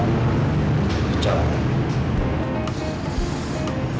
kalo aturan aturan yang selalu ini dibikin sama mama adriana